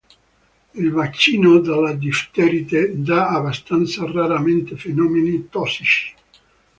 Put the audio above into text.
Il vaccino della difterite dà abbastanza raramente fenomeni tossici.